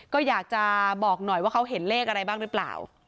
ก็อยากจะบอกหน่อยว่าเขาเห็นเลขอะไรบ้างหรือเปล่า